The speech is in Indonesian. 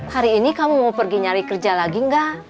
hari ini kamu mau pergi nyari kerja lagi enggak